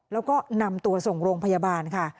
แล้วก็นำตัวส่งโรงพยาบาลค่ะ